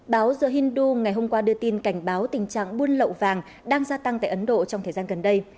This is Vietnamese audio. báo ja hindu ngày hôm qua đưa tin cảnh báo tình trạng buôn lậu vàng đang gia tăng tại ấn độ trong thời gian gần đây